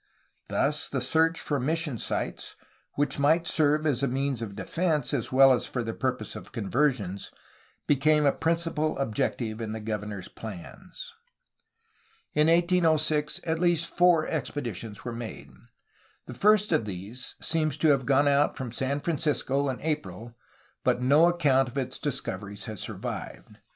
Thus the search for mission sites, which might serve as a means of defence as weU as for the purpose of conversions, became a principal objective in the governor's plans. In 1806 at least four expeditions were made. The first of these seems to have gone out from San Francisco in April, but no account of its discoveries has survived.